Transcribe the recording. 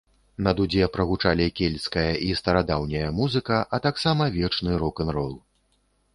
На дудзе прагучалі кельцкая і старадаўняя музыка, а таксама вечны рок-н-рол.